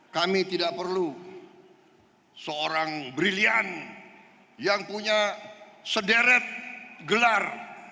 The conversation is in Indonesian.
kami tidak perlu seorang brilian yang punya sederet gelar